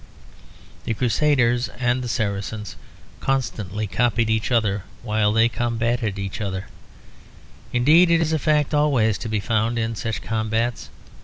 The Crusaders and the Saracens constantly copied each other while they combated each other; indeed it is a fact always to be found in such combats.